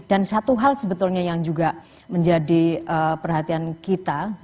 dan satu hal sebetulnya yang juga menjadi perhatian kita